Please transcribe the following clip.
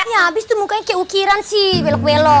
ini abis tuh mukanya kayak ukiran sih welok welok